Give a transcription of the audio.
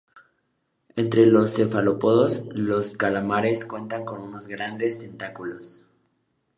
Entre los cefalópodos, los calamares cuentan con unos grandes tentáculos.